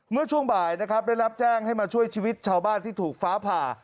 เมื่อช่วงบ่ายนะครับได้รับแจ้งให้มาช่วยชีวิตชาวบ้านที่ถูกฟ้าผ่า